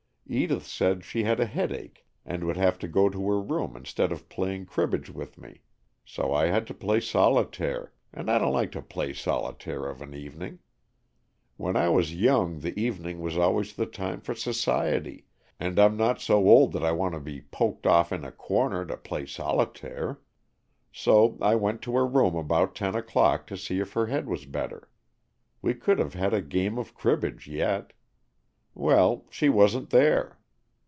Edith said she had a headache and would have to go to her room instead of playing cribbage with me. So I had to play solitaire, and I don't like to play solitaire of an evening. When I was young the evening was always the time for society, and I'm not so old that I want to be poked off in a corner to play solitaire. So I went to her room about ten o'clock to see if her head was better. We could have had a game of cribbage yet. Well, she wasn't there.